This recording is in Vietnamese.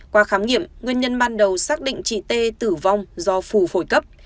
qua khám nghiệm nguyên nhân ban đầu xác định chị t tử vong do phù phổi cấp